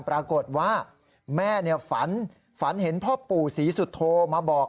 ปรากฏว่าแม่ฝันฝันเห็นพ่อปู่ศรีสุโธมาบอก